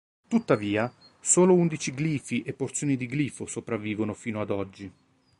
Tuttavia, solo undici glifi e porzioni di glifo sopravvivono fino ad oggi.